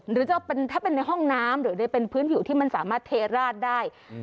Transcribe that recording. หรือจะเป็นถ้าเป็นในห้องน้ำหรือได้เป็นพื้นผิวที่มันสามารถเทราดได้